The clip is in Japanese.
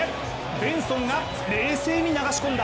ベンソンが冷静に流し込んだ。